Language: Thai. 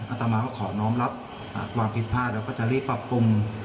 อาตมาก็ขอน้องรับความผิดพลาดแล้วก็จะรีบปรับปรุง